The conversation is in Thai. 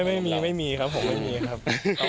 ไม่ไม่เอมีนะครับผมไม่เอมีครับ